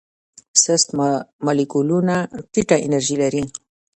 سست مالیکولونه ټیټه انرژي لري.